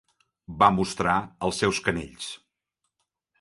Va mostrar els seus canells.